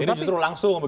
ini justru langsung